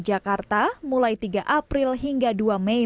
jakarta mulai tiga april hingga dua mei